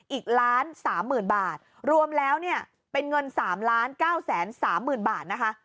อีก๑๓๐๐๐๐๐บาทรวมแล้วเป็นเงิน๓๙๐๐๐๐๐บาทนะคะ